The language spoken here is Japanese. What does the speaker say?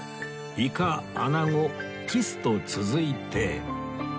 イカ穴子キスと続いて